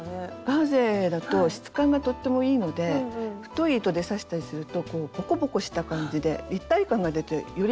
ガーゼだと質感がとってもいいので太い糸で刺したりするとこうボコボコした感じで立体感が出てよりかわいくなると思います。